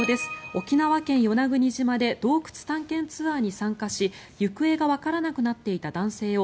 沖縄県・与那国島で洞窟探検ツアーに参加し行方がわからなくなっていた男性を